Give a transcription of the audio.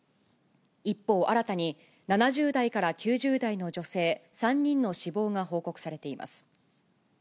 一方、新たに７０代から９０代の女性３人の死亡が報告されています。